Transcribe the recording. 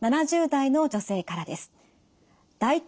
７０代の女性からです。